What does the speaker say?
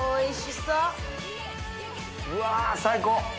うわ最高！